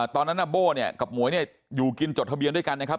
ตอนนั้นน่ะโบ้เนี่ยกับหมวยเนี่ยอยู่กินจดทะเบียนด้วยกันนะครับ